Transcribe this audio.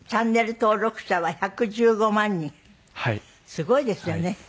すごいですよね。